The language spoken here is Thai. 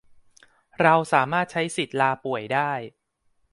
เราสามารถใช้สิทธิ์ลาป่วยได้